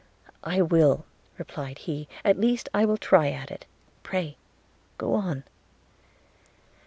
'I will,' replied he; 'at least I will try at it – Pray go on.'